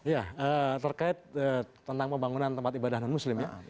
ya terkait tentang pembangunan tempat ibadah non muslim ya